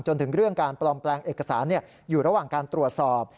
จนถึงเรื่องการปลอมแปลงเอกสารอยู่ระหว่างการตรวจสอบ